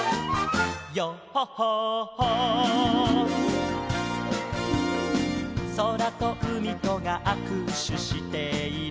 「ヨッホッホッホー」「そらとうみとがあくしゅしている」